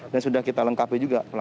dan sudah kita lengkapi juga